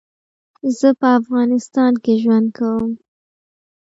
زه په افغانستان کي ژوند کوم